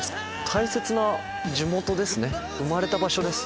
大切な地元ですね生まれた場所です。